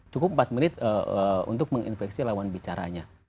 cukup empat menit untuk menginfeksi lawan bicaranya